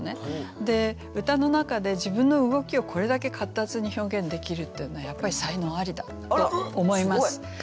で歌の中で自分の動きをこれだけかったつに表現できるっていうのはやっぱり才能ありだって思います。